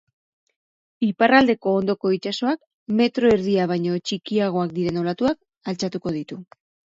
Iparraldeko hondoko itsasoak metro erdia baino txikiagoak diren olatuak altxatuko ditu.